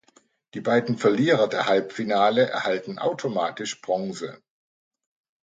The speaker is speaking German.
Die beiden Verlierer der Halbfinale erhalten automatisch Bronze.